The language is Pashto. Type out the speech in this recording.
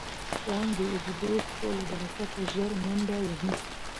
پړانګ د اوږدو پښو له برکته ژر منډه وهي.